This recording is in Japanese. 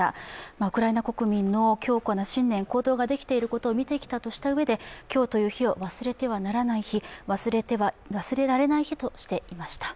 ウクライナ国民の強固な信念行動ができていることを見てきたとしたうえで今日という日を忘れてはならない日忘れられない日としていました。